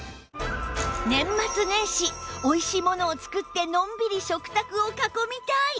年末年始おいしいものを作ってのんびり食卓を囲みたい！